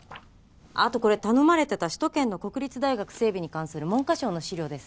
あっ後これ頼まれてた首都圏の国立大学整備に関する文科省の資料です。